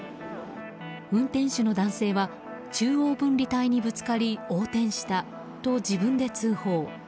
運転手の男性は中央分離帯にぶつかり横転したと自分で通報。